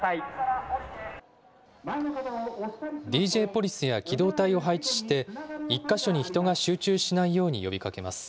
ＤＪポリスや機動隊を配置して、１か所に人が集中しないように呼びかけます。